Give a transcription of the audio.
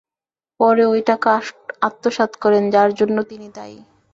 পরে ওই টাকা আত্মসাৎ করেন, যার জন্য তিনি দায়ী।